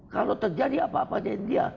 kalau terjadi apa apa jadi dia